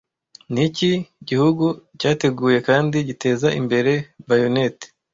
Niki gihugu cyateguye kandi giteza imbere bayonet